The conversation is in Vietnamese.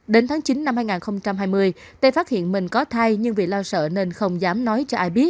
đến tháng chín năm hai nghìn hai mươi tê phát hiện mình có thai nhưng vì lo sợ nên không dám nói